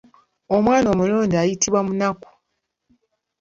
Omwana omulonde ayitibwa munaku.